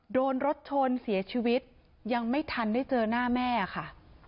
โดนรถชนเสียชีวิตยังไม่ทันได้เจอหน้าแม่ค่ะ